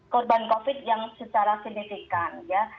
korban covid yang secara signifikan ya